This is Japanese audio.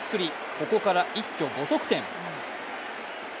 ここから一挙５得点。